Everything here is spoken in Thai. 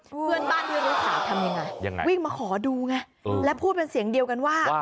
เพื่อนบ้านที่รู้ข่าวทำยังไงวิ่งมาขอดูไงและพูดเป็นเสียงเดียวกันว่า